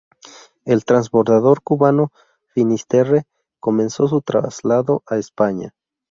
El transbordador cubano Finisterre comenzó su traslado a España.